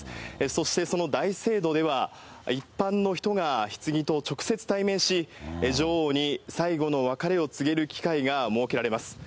そしてその大聖堂では、一般の人がひつぎと直接対面し、女王に最後の別れを告げる機会が設けられます。